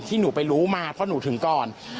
หนูไปรู้มาเพราะหนูถึงก่อน